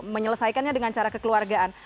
menyelesaikannya dengan cara kekeluargaan